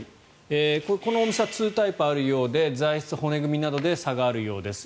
このお店は２タイプあるようで材質、骨組みなどで差があるようです。